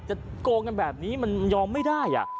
โกงกันแบบนี้มันยอมไม่ได้